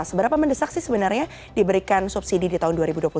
seberapa mendesak sih sebenarnya diberikan subsidi di tahun dua ribu dua puluh satu